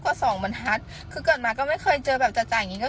พอสองมันฮัดคือเกิดมาก็ไม่เคยเจอแบบจ่ายอย่างนี้